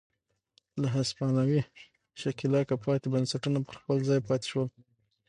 له هسپانوي ښکېلاکه پاتې بنسټونه پر خپل ځای پاتې شول.